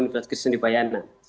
universitas kristian dipayana